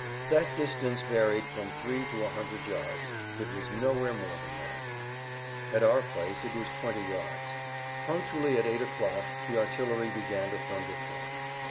That distance varied from three to a hundred yards, it was nowhere more than that. At our place it was twenty yards. Punctually at eight o'clock the artillery began to thunder forth.